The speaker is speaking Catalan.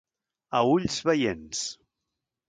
A ulls veients.